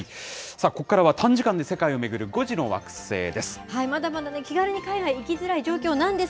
ここからは短時間で世界を巡る５時の惑星です。